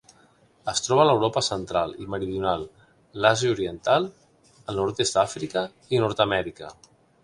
Es troba a l'Europa Central i meridional, l'Àsia Oriental, el nord-oest d'Àfrica i Nord-amèrica.